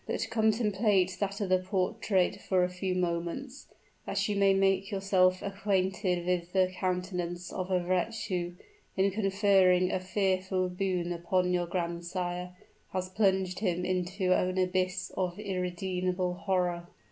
"But contemplate that other portrait for a few moments that you may make yourself acquainted with the countenance of a wretch who, in conferring a fearful boon upon your grandsire, has plunged him into an abyss of unredeemable horror!"